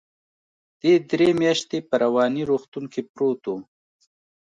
دى درې مياشتې په رواني روغتون کې پروت و.